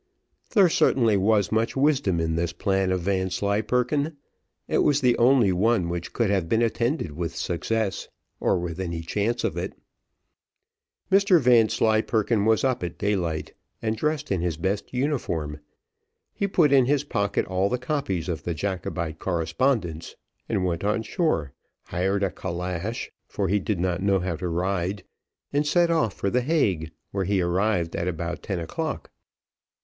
There certainly was much wisdom in this plan of Vanslyperken, it was the only one which could have been attended with success, or with any chance of it. Mr Vanslyperken was up at daylight, and dressed in his best uniform; he put in his pocket all the copies of the Jacobite correspondence, and went on shore hired a calash, for he did not know how to ride, and set off for the Hague, where he arrived about ten o'clock.